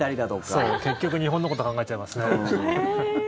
そう、結局日本のこと考えちゃいますね。